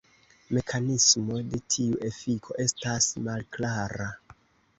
Mekanismo de tiu efiko estas malklara.